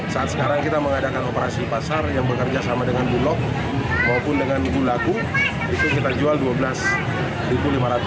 saat sekarang kita mengadakan operasi pasar yang bekerja sama dengan bulog maupun dengan gulaku itu kita jual rp dua belas lima ratus